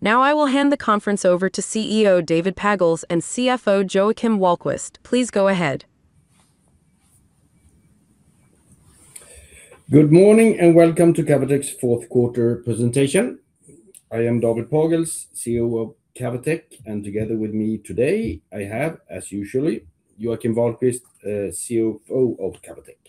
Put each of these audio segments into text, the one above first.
Now I will hand the conference over to CEO, David Pagels, and CFO, Joakim Wahlquist. Please go ahead. Good morning, and welcome to Cavotec's fourth quarter presentation. I am David Pagels, CEO of Cavotec, and together with me today, I have, as usual, Joakim Wahlquist, CFO of Cavotec.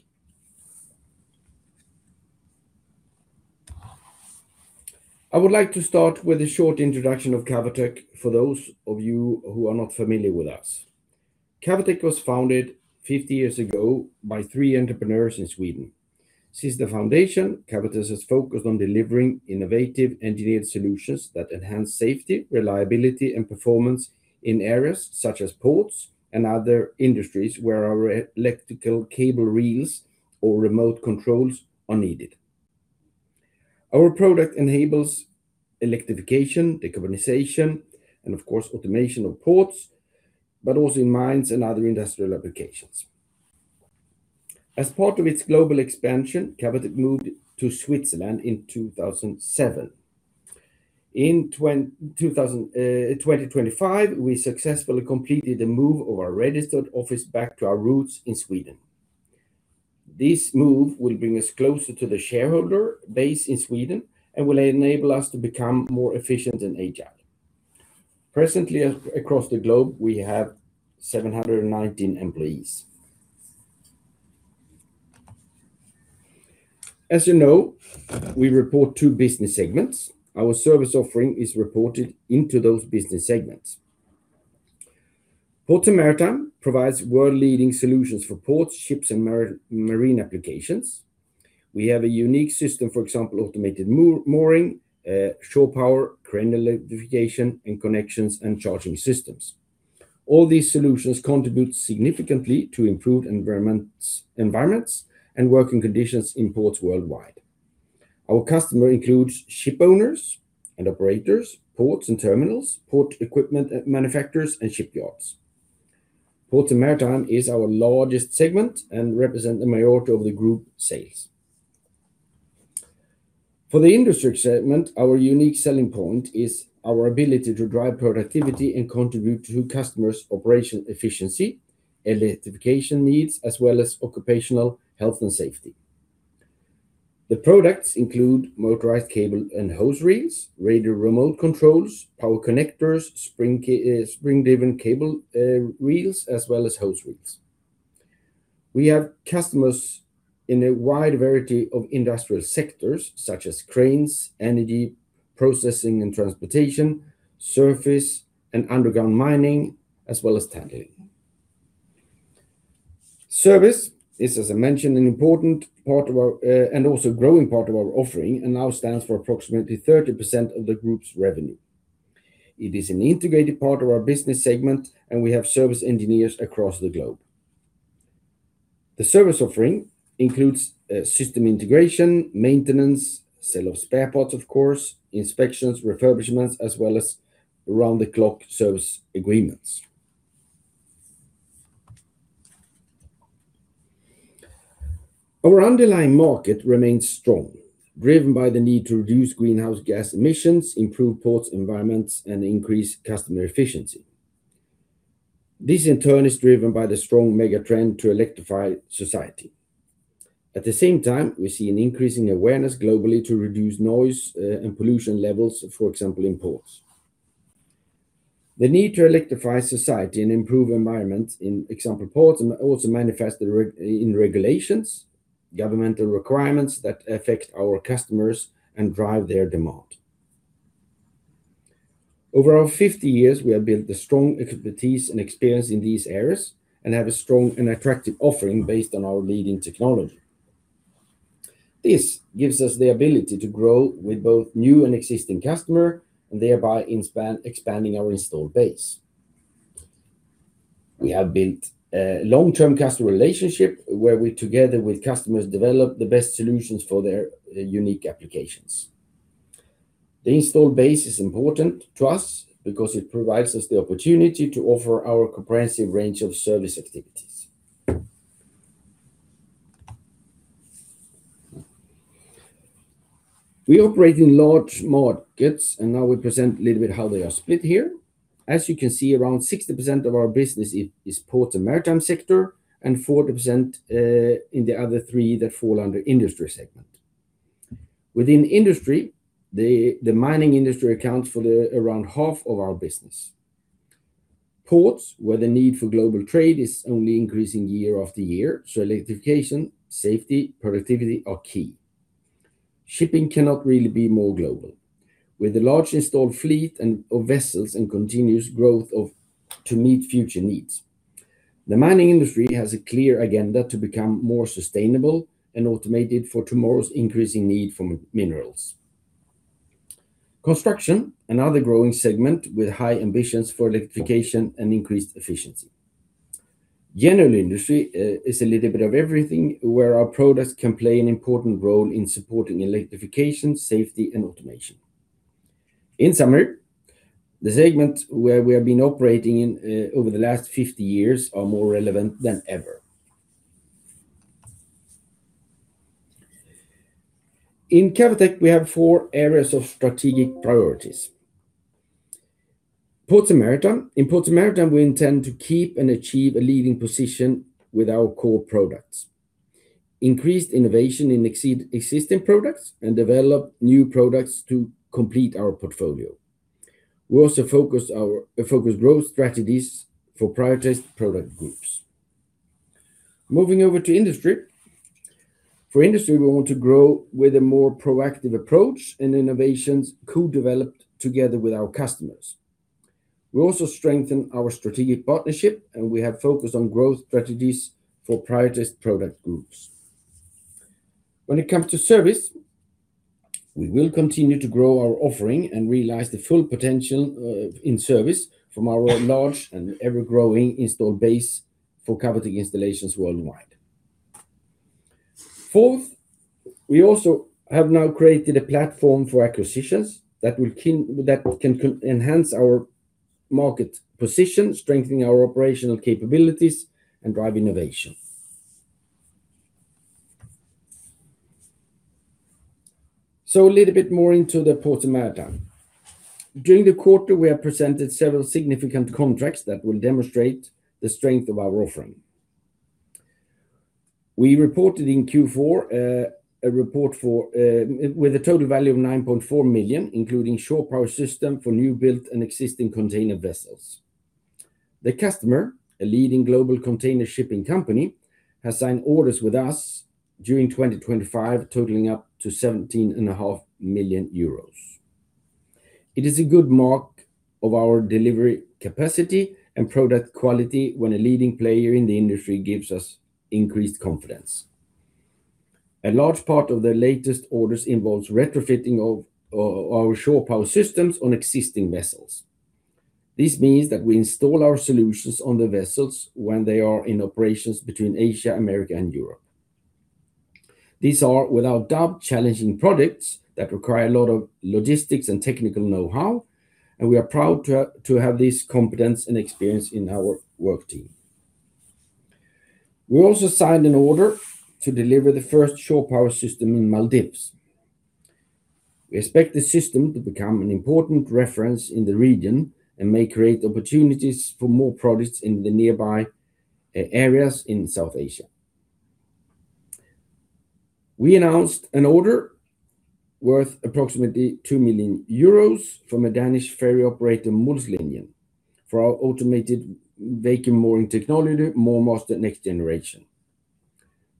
I would like to start with a short introduction of Cavotec for those of you who are not familiar with us. Cavotec was founded 50 years ago by three entrepreneurs in Sweden. Since the foundation, Cavotec has focused on delivering innovative, engineered solutions that enhance safety, reliability, and performance in areas such as ports and other industries, where our electrical cable reels or remote controls are needed. Our product enables electrification, decarbonization, and of course, automation of ports, but also in mines and other industrial applications. As part of its global expansion, Cavotec moved to Switzerland in 2007. In 2025, we successfully completed the move of our registered office back to our roots in Sweden. This move will bring us closer to the shareholder base in Sweden and will enable us to become more efficient and agile. Presently, across the globe, we have 719 employees. As you know, we report two business segments. Our service offering is reported into those business segments. Port and Maritime provides world-leading solutions for ports, ships, and marine applications. We have a unique system, for example, automated mooring, shore power, crane electrification, and connections and charging systems. All these solutions contribute significantly to improved environments and working conditions in ports worldwide. Our customer includes ship owners and operators, ports and terminals, port equipment manufacturers, and shipyards. Port and Maritime is our largest segment and represent the majority of the group sales. For the industry segment, our unique selling point is our ability to drive productivity and contribute to customers' operation efficiency, electrification needs, as well as occupational health and safety. The products include motorized cable and hose reels, radio remote controls, power connectors, spring-driven cable reels, as well as hose reels. We have customers in a wide variety of industrial sectors, such as cranes, energy, processing and transportation, surface and underground mining, as well as handling. Service is, as I mentioned, an important part of our and also growing part of our offering and now stands for approximately 30% of the group's revenue. It is an integrated part of our business segment, and we have service engineers across the globe. The service offering includes system integration, maintenance, sale of spare parts, of course, inspections, refurbishments, as well as round-the-clock service agreements. Our underlying market remains strong, driven by the need to reduce greenhouse gas emissions, improve ports, environments, and increase customer efficiency. This, in turn, is driven by the strong mega trend to electrify society. At the same time, we see an increasing awareness globally to reduce noise, and pollution levels, for example, in ports. The need to electrify society and improve environment in, for example, ports, and also manifests in regulations, governmental requirements that affect our customers and drive their demand. Over our 50 years, we have built a strong expertise and experience in these areas and have a strong and attractive offering based on our leading technology. This gives us the ability to grow with both new and existing customer, and thereby, in span, expanding our installed base. We have built long-term customer relationships, where we, together with customers, develop the best solutions for their unique applications. The installed base is important to us because it provides us the opportunity to offer our comprehensive range of service activities. We operate in large markets, and I will present a little bit how they are split here. As you can see, around 60% of our business is port and maritime sector, and 40% in the other three that fall under industry segment. Within industry, the mining industry accounts for around half of our business. Ports, where the need for global trade is only increasing year after year, so electrification, safety, productivity are key. Shipping cannot really be more global. With the large installed fleet and of vessels and continuous growth to meet future needs, the mining industry has a clear agenda to become more sustainable and automated for tomorrow's increasing need for minerals. Construction, another growing segment with high ambitions for electrification and increased efficiency. General industry is a little bit of everything, where our products can play an important role in supporting electrification, safety, and automation. In summary, the segment where we have been operating in over the last 50 years are more relevant than ever.... In Cavotec, we have four areas of strategic priorities. Ports & Maritime. In Ports & Maritime, we intend to keep and achieve a leading position with our core products, increase innovation in existing products, and develop new products to complete our portfolio. We also focus growth strategies for prioritized product groups. Moving over to Industry. For Industry, we want to grow with a more proactive approach, and innovations co-developed together with our customers. We also strengthen our strategic partnership, and we have focused on growth strategies for prioritized product groups. When it comes to service, we will continue to grow our offering and realize the full potential in service from our large and ever-growing installed base for Cavotec installations worldwide. Fourth, we also have now created a platform for acquisitions that can enhance our market position, strengthen our operational capabilities, and drive innovation. So a little bit more into the Ports & Maritime. During the quarter, we have presented several significant contracts that will demonstrate the strength of our offering. We reported in Q4 an order with a total value of 9.4 million, including shore power system for new built and existing container vessels. The customer, a leading global container shipping company, has signed orders with us during 2025, totaling up to 17.5 million euros. It is a good mark of our delivery capacity and product quality when a leading player in the industry gives us increased confidence. A large part of the latest orders involves retrofitting of our shore power systems on existing vessels. This means that we install our solutions on the vessels when they are in operations between Asia, America and Europe. These are, without doubt, challenging products that require a lot of logistics and technical know-how, and we are proud to have this competence and experience in our work team. We also signed an order to deliver the first shore power system in Maldives. We expect the system to become an important reference in the region and may create opportunities for more products in the nearby areas in South Asia. We announced an order worth approximately 2 million euros from a Danish ferry operator, Molslinjen, for our automated vacuum mooring technology, MoorMaster NxG.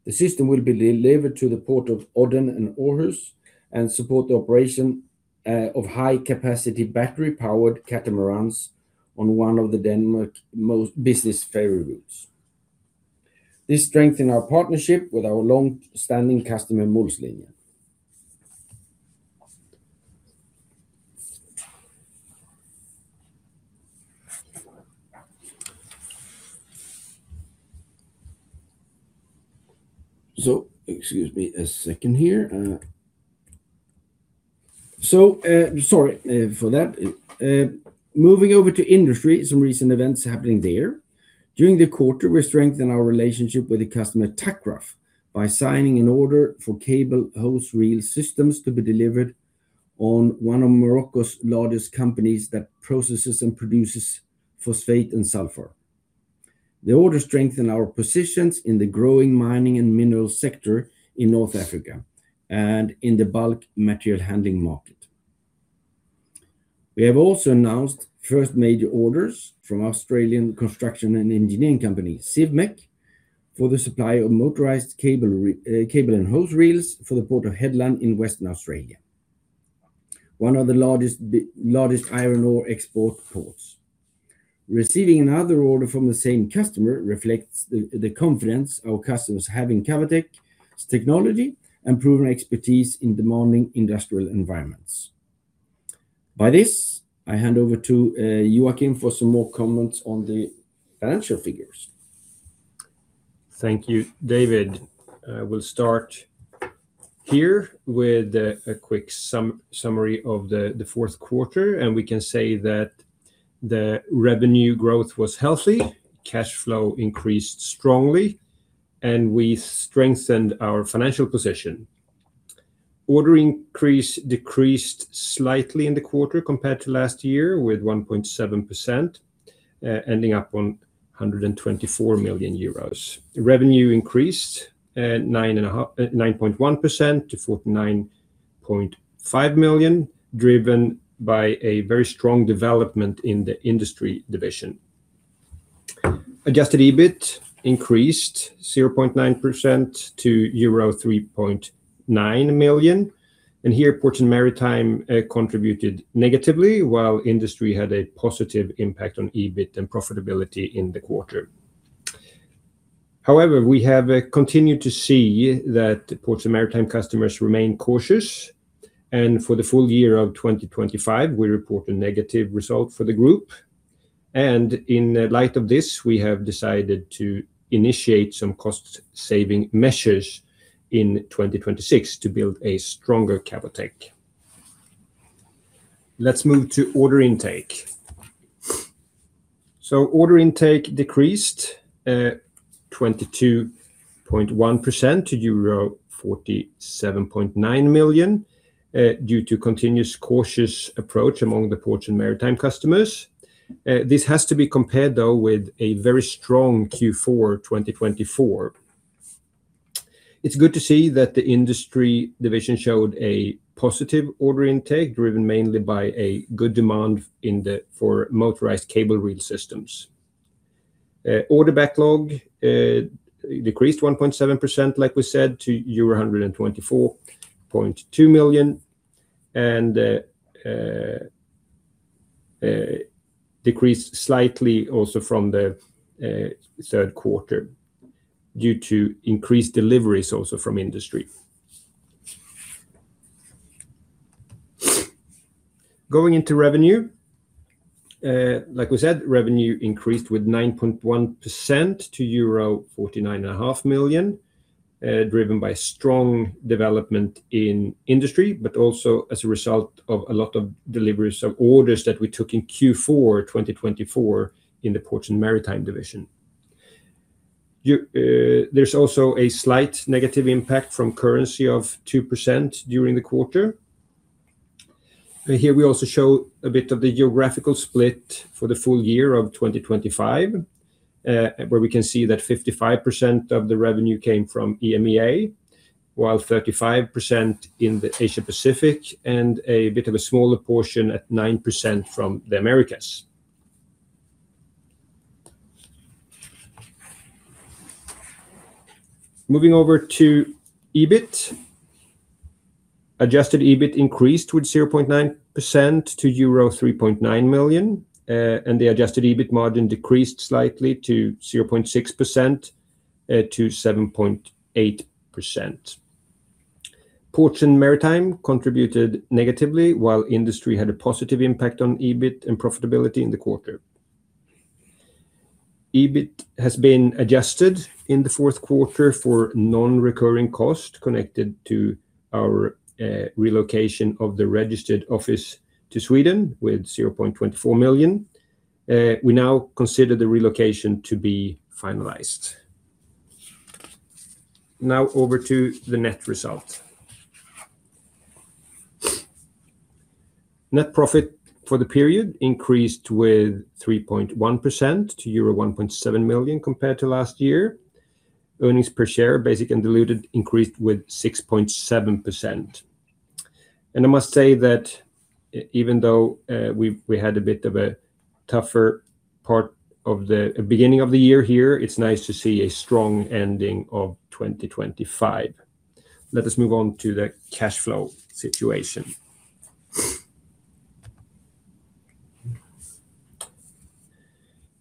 The system will be delivered to the ports of Odden and Aarhus and support the operation of high-capacity, battery-powered catamarans on one of Denmark's busiest ferry routes. This strengthens our partnership with our long-standing customer, Molslinjen. Excuse me a second here, sorry for that. Moving over to Industry, some recent events happening there. During the quarter, we strengthened our relationship with the customer, TAKRAF, by signing an order for cable hose reel systems to be delivered on one of Morocco's largest companies that processes and produces phosphate and sulfur. The order strengthen our positions in the growing mining and mineral sector in North Africa and in the bulk material handling market. We have also announced first major orders from Australian construction and engineering company, Civmec, for the supply of motorized cable and hose reels for Port Hedland in Western Australia, one of the largest iron ore export ports. Receiving another order from the same customer reflects the confidence our customers have in Cavotec's technology and proven expertise in demanding industrial environments. By this, I hand over to Joakim for some more comments on the financial figures. Thank you, David. We'll start here with a quick summary of the fourth quarter, and we can say that the revenue growth was healthy, cash flow increased strongly, and we strengthened our financial position. Order increase decreased slightly in the quarter compared to last year, with 1.7%, ending up on 124 million euros. Revenue increased 9.1% to 49.5 million, driven by a very strong development in the Industry division. Adjusted EBIT increased 0.9% to euro 3.9 million, and here, Ports & Maritime contributed negatively, while Industry had a positive impact on EBIT and profitability in the quarter. However, we have continued to see that the Ports & Maritime customers remain cautious, and for the full year of 2025, we report a negative result for the group. In light of this, we have decided to initiate some cost-saving measures in 2026 to build a stronger Cavotec. Let's move to order intake. Order intake decreased 22.1% to euro 47.9 million, due to continuous cautious approach among the Ports & Maritime customers. This has to be compared, though, with a very strong Q4 2024. It's good to see that the industry division showed a positive order intake, driven mainly by a good demand in the—for motorized cable reel systems. Order backlog decreased 1.7%, like we said, to euro 124.2 million, and decreased slightly also from the third quarter due to increased deliveries also from industry. Going into revenue, like we said, revenue increased with 9.1% to euro 49.5 million, driven by strong development in industry, but also as a result of a lot of deliveries of orders that we took in Q4 2024 in the Ports & Maritime division. There's also a slight negative impact from currency of 2% during the quarter. Here, we also show a bit of the geographical split for the full year of 2025, where we can see that 55% of the revenue came from EMEA, while 35% in the Asia-Pacific, and a bit of a smaller portion at 9% from the Americas. Moving over to EBIT. Adjusted EBIT increased with 0.9% to euro 3.9 million, and the adjusted EBIT margin decreased slightly to 0.6%, to 7.8%. Ports & Maritime contributed negatively, while industry had a positive impact on EBIT and profitability in the quarter. EBIT has been adjusted in the fourth quarter for non-recurring cost connected to our relocation of the registered office to Sweden with 0.24 million. We now consider the relocation to be finalized. Now, over to the net result. Net profit for the period increased with 3.1% to euro 1.7 million compared to last year. Earnings per share, basic and diluted, increased with 6.7%. And I must say that even though we had a bit of a tougher part of the beginning of the year here, it's nice to see a strong ending of 2025. Let us move on to the cash flow situation.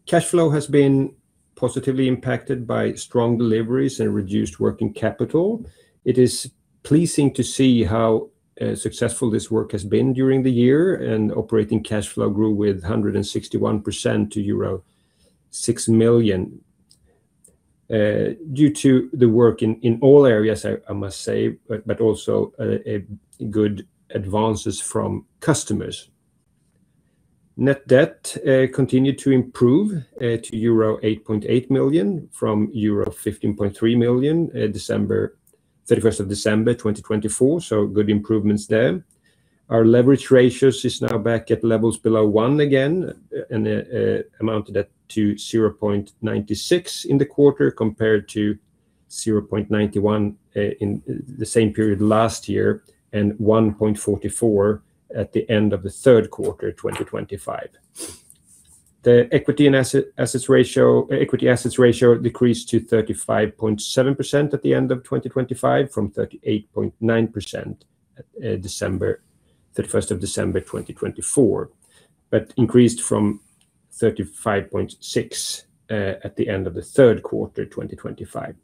Cash flow has been positively impacted by strong deliveries and reduced working capital. It is pleasing to see how successful this work has been during the year, and operating cash flow grew with 161% to euro 6 million. Due to the work in all areas, I must say, but also a good advances from customers. Net debt continued to improve to euro 8.8 million from euro 15.3 million, December 31, 2024, so good improvements there. Our leverage ratios is now back at levels below one again, and amounted to 0.96% in the quarter, compared to 0.91% in the same period last year, and 1.44% at the end of the third quarter, 2025. The equity-assets ratio decreased to 35.7% at the end of 2025, from 38.9%, December 31, 2024, but increased from 35.6% at the end of the third quarter, 2025.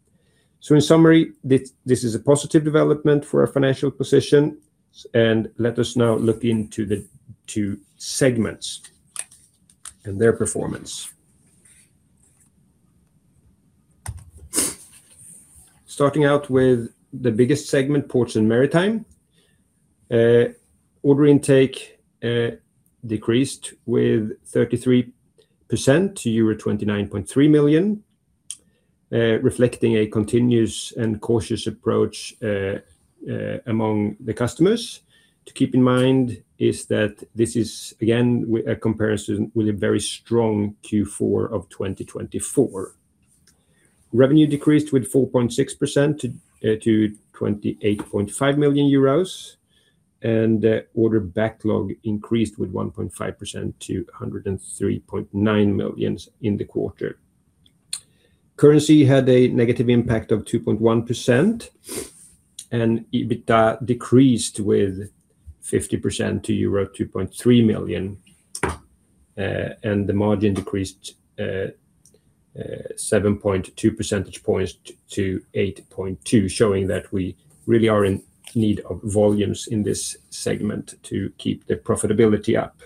In summary, this is a positive development for our financial position, and let us now look into the two segments and their performance. Starting out with the biggest segment, Ports & Maritime. Order intake decreased with 33% to euro 29.3 million, reflecting a continuous and cautious approach among the customers. To keep in mind is that this is, again, with a comparison with a very strong Q4 of 2024. Revenue decreased with 4.6% to 28.5 million euros, and order backlog increased with 1.5% to 103.9 million in the quarter. Currency had a negative impact of 2.1%, and EBITDA decreased with 50% to euro 2.3 million, and the margin decreased 7.2 percentage points to 8.2, showing that we really are in need of volumes in this segment to keep the profitability up.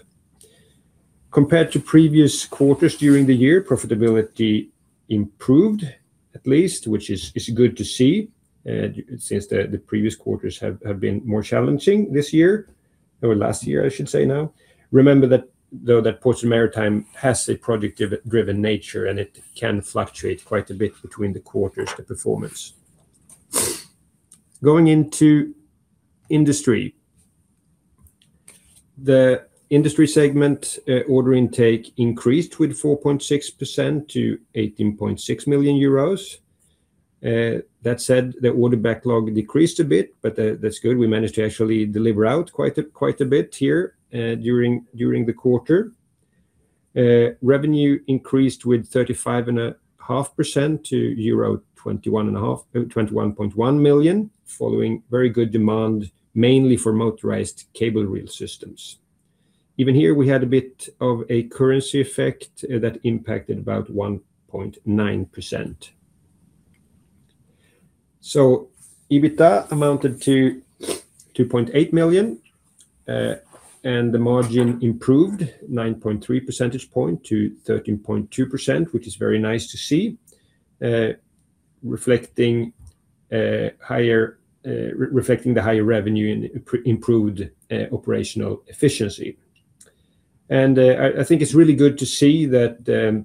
Compared to previous quarters during the year, profitability improved, at least, which is good to see, since the previous quarters have been more challenging this year, or last year, I should say now. Remember that, though, Ports & Maritime has a project-driven nature, and it can fluctuate quite a bit between the quarters, the performance. Going into Industry. The Industry segment order intake increased with 4.6% to 18.6 million euros. That said, the order backlog decreased a bit, but that's good. We managed to actually deliver out quite a bit here during the quarter. Revenue increased with 35.5% to 21.1 million, following very good demand, mainly for motorized cable reel systems. Even here, we had a bit of a currency effect that impacted about 1.9%. So, EBITDA amounted to 2.8 million, and the margin improved 9.3 percentage point to 13.2%, which is very nice to see, reflecting the higher revenue and improved operational efficiency. And I think it's really good to see that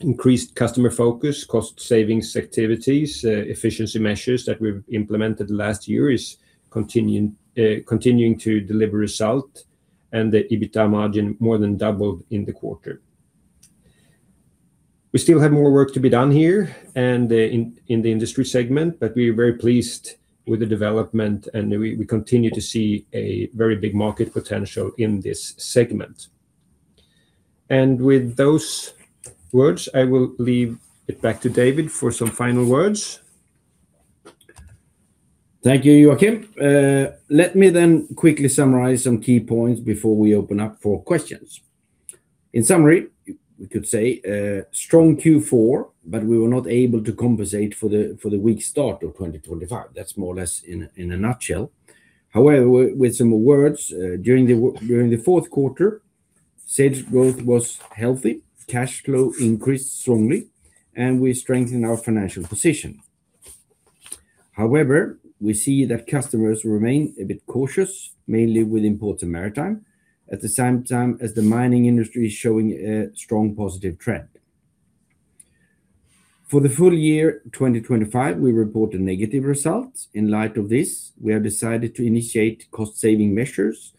the increased customer focus, cost savings activities, efficiency measures that we've implemented last year is continuing to deliver result, and the EBITDA margin more than doubled in the quarter. We still have more work to be done here and in the Industry segment, but we're very pleased with the development, and we continue to see a very big market potential in this segment. With those words, I will leave it back to David for some final words. Thank you, Joakim. Let me then quickly summarize some key points before we open up for questions. In summary, we could say a strong Q4, but we were not able to compensate for the weak start of 2025. That's more or less in a nutshell. However, with some words, during the fourth quarter, sales growth was healthy, cash flow increased strongly, and we strengthened our financial position. However, we see that customers remain a bit cautious, mainly with Ports & Maritime, at the same time as the mining industry is showing a strong positive trend. For the full year 2025, we report a negative result. In light of this, we have decided to initiate cost-saving measures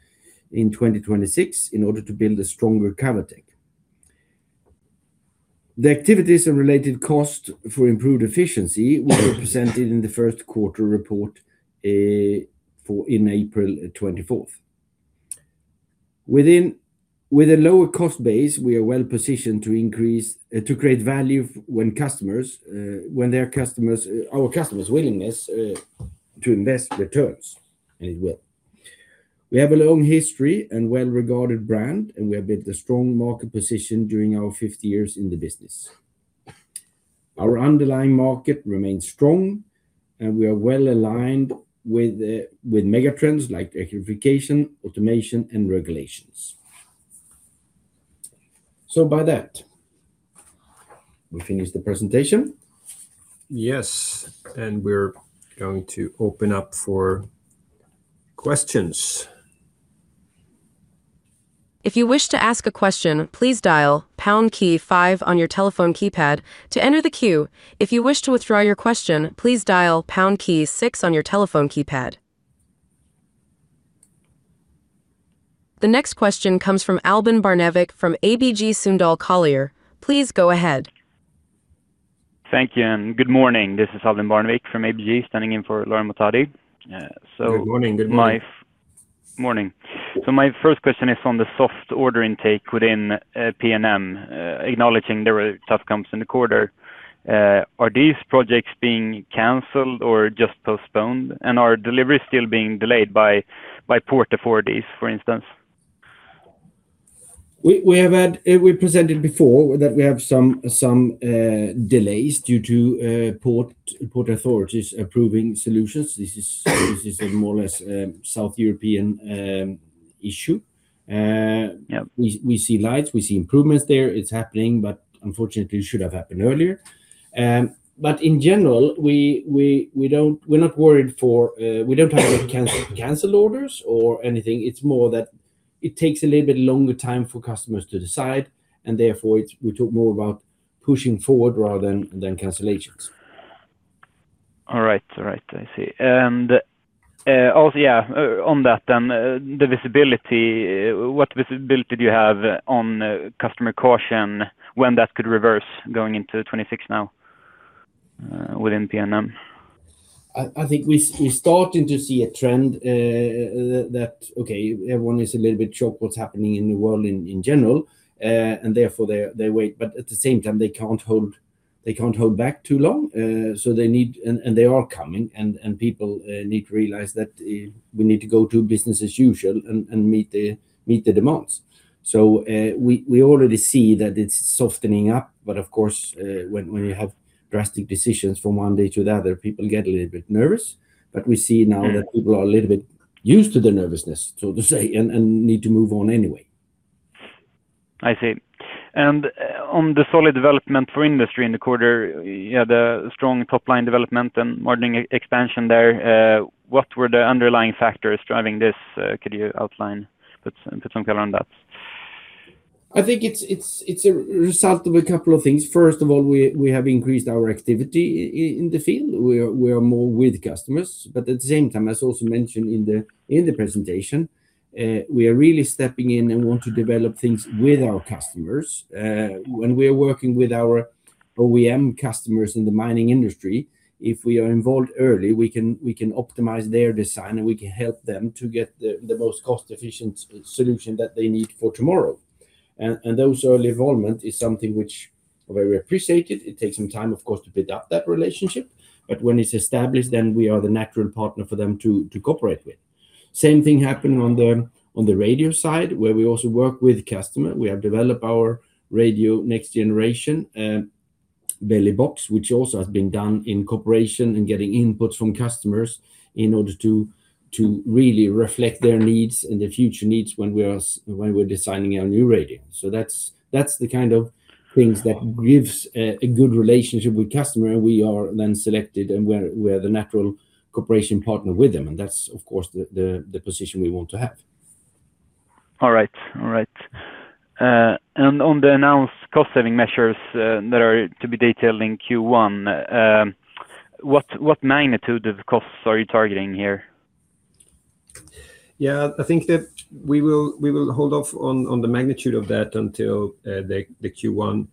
in 2026 in order to build a stronger Cavotec. The activities and related cost for improved efficiency will be presented in the first quarter report in April, 2024. With a lower cost base, we are well positioned to increase, to create value when customers, when their customers, our customers' willingness to invest returns, and it will. We have a long history and well-regarded brand, and we have built a strong market position during our 50 years in the business. Our underlying market remains strong, and we are well aligned with mega trends like electrification, automation, and regulations. By that, we finish the presentation? Yes, and we're going to open up for questions. If you wish to ask a question, please dial pound key five on your telephone keypad to enter the queue. If you wish to withdraw your question, please dial pound key six on your telephone keypad. The next question comes from Albin Barnevik from ABG Sundal Collier. Please go ahead. Thank you, and good morning. This is Albin Barnevik from ABG, standing in for Lara Mohtadi. Good morning. Good morning. Morning. So my first question is on the soft order intake within PNM, acknowledging there were tough comps in the quarter. Are these projects being canceled or just postponed? And are deliveries still being delayed by port authorities, for instance? We have had—we presented before that we have some delays due to port authorities approving solutions. This is a more or less South European issue. Yeah... we see lights, we see improvements there. It's happening, but unfortunately, it should have happened earlier. But in general, we don't- we're not worried for- We don't have to cancel orders or anything. It's more that it takes a little bit longer time for customers to decide, and therefore, it's- we talk more about pushing forward rather than cancellations. All right. All right, I see. And, also, yeah, on that then, the visibility, what visibility do you have on, customer caution, when that could reverse going into 2026 now, within PNM? I think we starting to see a trend, that okay, everyone is a little bit shocked what's happening in the world in general, and therefore, they wait. But at the same time, they can't hold back too long. So they need... And they are coming, and people need to realize that, we need to go to business as usual and meet the demands. So, we already see that it's softening up, but of course, when you have drastic decisions from one day to the other, people get a little bit nervous. But we see now- Mm-hmm... that people are a little bit used to the nervousness, so to say, and need to move on anyway.... I see. And, on the solid development for industry in the quarter, you had a strong top-line development and margin expansion there. What were the underlying factors driving this? Could you outline something around that? I think it's a result of a couple of things. First of all, we have increased our activity in the field. We are more with customers, but at the same time, as also mentioned in the presentation, we are really stepping in and want to develop things with our customers. When we are working with our OEM customers in the mining industry, if we are involved early, we can optimize their design, and we can help them to get the most cost-efficient solution that they need for tomorrow. And those early involvement is something which very appreciated. It takes some time, of course, to build up that relationship, but when it's established, then we are the natural partner for them to cooperate with. Same thing happened on the radio side, where we also work with customer. We have developed our radio next generation belly box, which also has been done in cooperation and getting inputs from customers in order to really reflect their needs and their future needs when we're designing our new radio. So that's the kind of things that gives a good relationship with customer. We are then selected, and we're the natural cooperation partner with them, and that's, of course, the position we want to have. All right. All right. And on the announced cost-saving measures, that are to be detailed in Q1, what magnitude of costs are you targeting here? Yeah, I think that we will hold off on the magnitude of that until the Q1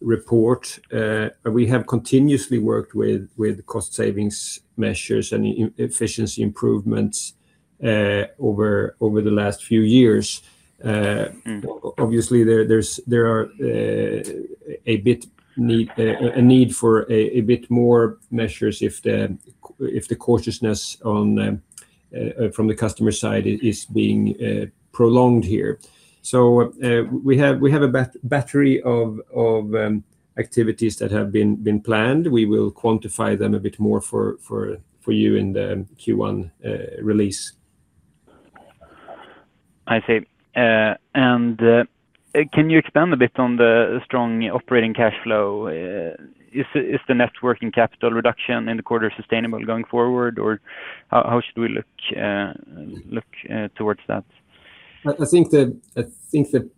report. We have continuously worked with cost savings measures and efficiency improvements over the last few years. Mm. Obviously, there is a need for a bit more measures if the cautiousness from the customer side is being prolonged here. So, we have a battery of activities that have been planned. We will quantify them a bit more for you in the Q1 release. I see. Can you expand a bit on the strong operating cash flow? Is the net working capital reduction in the quarter sustainable going forward, or how should we look towards that? I think that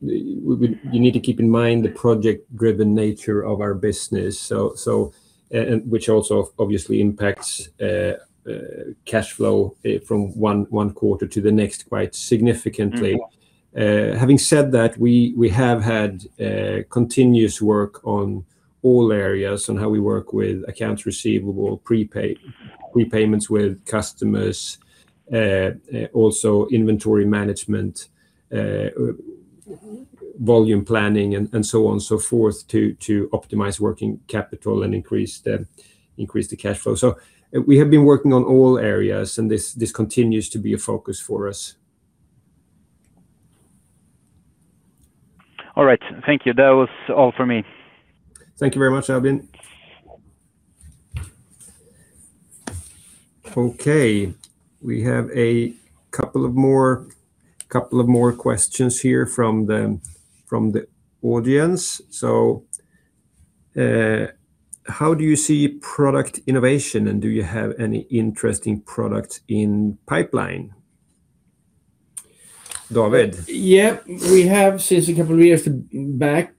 we need to keep in mind the project-driven nature of our business, which also obviously impacts cash flow from one quarter to the next, quite significantly. Mm. Having said that, we have had continuous work on all areas on how we work with accounts receivable, prepayments with customers, also inventory management, volume planning, and so on and so forth, to optimize working capital and increase the cash flow. So we have been working on all areas, and this continues to be a focus for us. All right. Thank you. That was all for me. Thank you very much, Albin. Okay, we have a couple more questions here from the audience. So, how do you see product innovation, and do you have any interesting products in pipeline? David? Yeah. We have, since a couple of years back,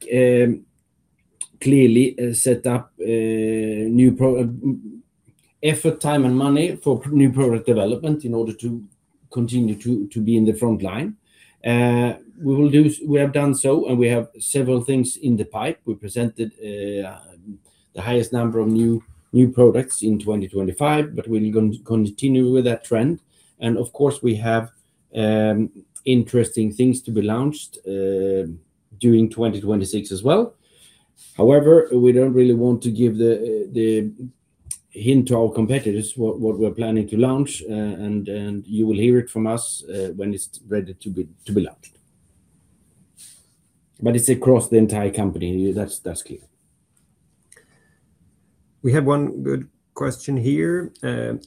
clearly set up new effort, time, and money for new product development in order to continue to be in the front line. We have done so, and we have several things in the pipe. We presented the highest number of new products in 2025, but we're going to continue with that trend. And of course, we have interesting things to be launched during 2026 as well. However, we don't really want to give the hint to our competitors what we're planning to launch, and you will hear it from us when it's ready to be launched. But it's across the entire company, and that's key. We have one good question here.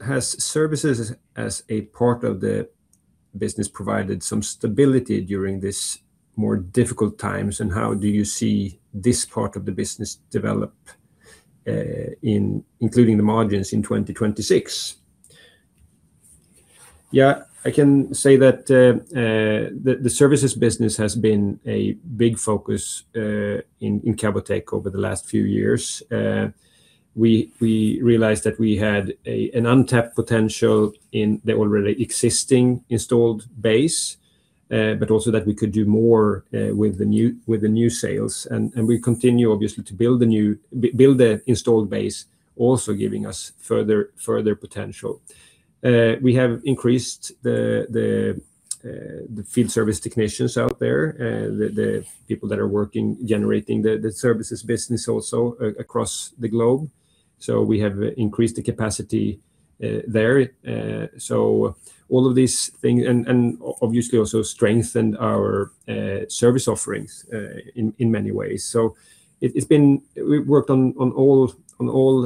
Has services as a part of the business provided some stability during this more difficult times, and how do you see this part of the business develop, including the margins in 2026? Yeah, I can say that the services business has been a big focus in Cavotec over the last few years. We realized that we had an untapped potential in the already existing installed base, but also that we could do more with the new sales. We continue, obviously, to build the installed base, also giving us further potential. We have increased the field service technicians out there, the people that are working, generating the services business also across the globe. So we have increased the capacity there. So all of these things... And, and obviously also strengthened our service offerings in many ways. So it's been we've worked on all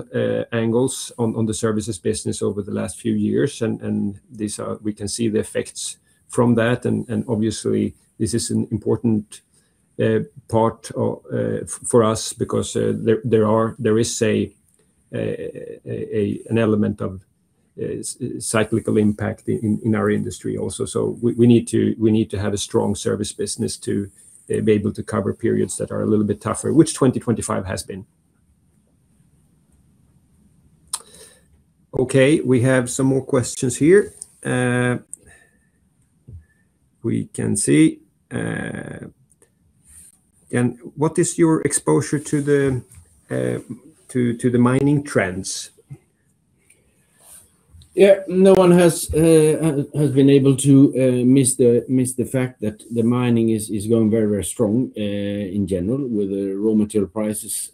angles on the services business over the last few years, and these are we can see the effects from that. And obviously, this is an important part for us because there is a an element of cyclical impact in our industry also. So we need to have a strong service business to be able to cover periods that are a little bit tougher, which 2025 has been. Okay, we have some more questions here. We can see, "And what is your exposure to the mining trends? Yeah, no one has been able to miss the fact that the mining is going very, very strong in general, with the raw material prices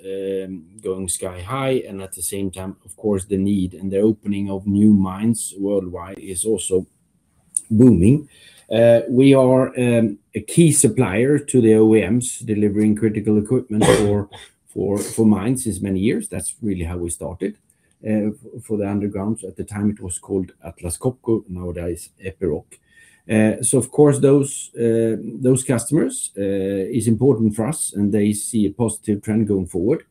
going sky high. At the same time, of course, the need and the opening of new mines worldwide is also booming. We are a key supplier to the OEMs, delivering critical equipment for mines since many years. That's really how we started for the underground. At the time, it was called Atlas Copco, nowadays, Epiroc. So of course, those customers is important for us, and they see a positive trend going forward.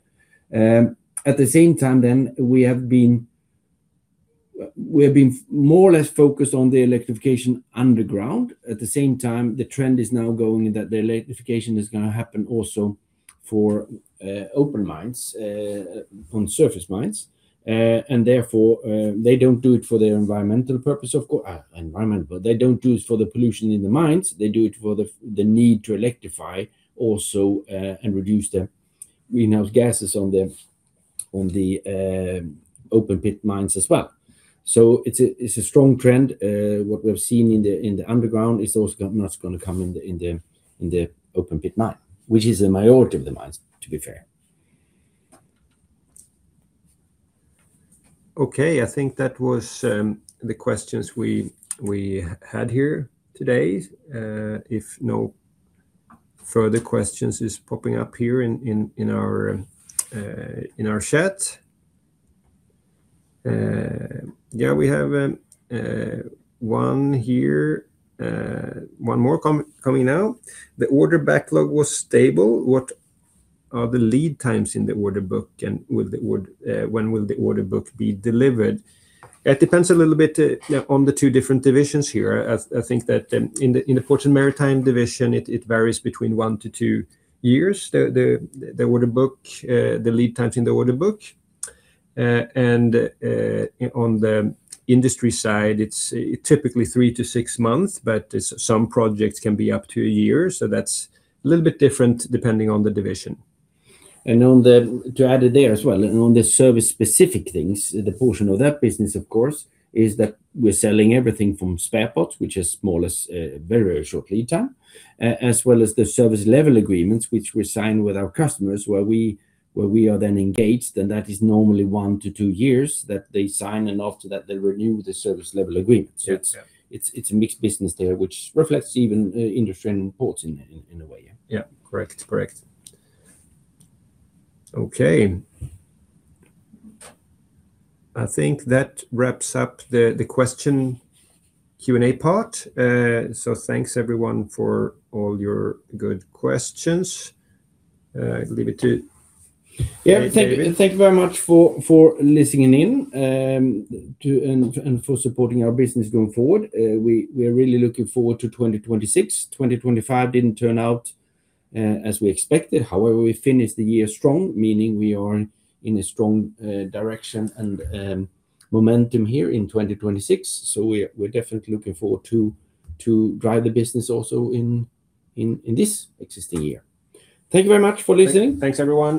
At the same time, we have been more or less focused on the electrification underground. At the same time, the trend is now going that the electrification is gonna happen also for open mines on surface mines. And therefore, they don't do it for their environmental purpose, of course, environmental. They don't do it for the pollution in the mines. They do it for the need to electrify also and reduce the greenhouse gases on the open pit mines as well. So it's a strong trend. What we've seen in the underground is also now it's gonna come in the open pit mine, which is a majority of the mines, to be fair. Okay, I think that was the questions we had here today. If no further questions is popping up here in our chat. Yeah, we have one here, one more coming now. "The order backlog was stable. What are the lead times in the order book, and when will the order book be delivered?" It depends a little bit, yeah, on the two different divisions here. I think that in the Ports & Maritime division, it varies between one to two years, the order book, the lead times in the order book. And on the industry side, it's typically three to six months, but some projects can be up to a year. So that's a little bit different, depending on the division. And on the to add it there as well, and on the service-specific things, the portion of that business, of course, is that we're selling everything from spare parts, which is small as very short lead time, as well as the service level agreements, which we sign with our customers, where we are then engaged, and that is normally 1-2 years that they sign, and after that, they renew the service level agreement. Yeah. It's a mixed business there, which reflects even Industry and Ports in a way, yeah. Yeah. Correct. Correct. Okay. I think that wraps up the question Q&A part. So thanks everyone for all your good questions. I'll leave it to- Yeah. David. Thank you very much for listening in to and for supporting our business going forward. We are really looking forward to 2026. 2025 didn't turn out as we expected. However, we finished the year strong, meaning we are in a strong direction and momentum here in 2026. So we're definitely looking forward to drive the business also in this existing year. Thank you very much for listening. Thanks, everyone.